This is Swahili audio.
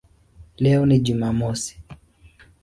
Leo ni Jumamosi".